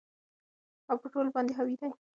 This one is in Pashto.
او په ټولو باندي حاوي دى